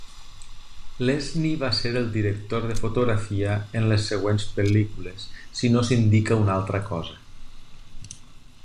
Lesnie va ser el director de fotografia en les següents pel·lícules si no s'indica una altra cosa.